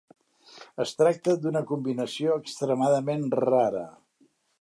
Es tracta d'una combinació extremadament rara.